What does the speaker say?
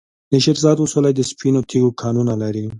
د شیرزاد ولسوالۍ د سپینو تیږو کانونه لري.